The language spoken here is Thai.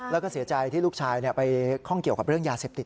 แล้วก็เสียใจที่ลูกชายไปข้องเกี่ยวกับเรื่องยาเสพติด